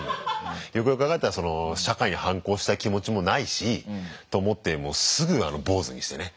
よくよく考えたら社会に反抗したい気持ちもないしと思ってすぐ坊主にしてね。